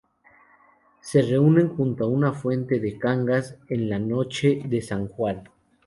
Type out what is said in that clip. Se reúnen junto a una fuente de Cangas en la noche de San Juan.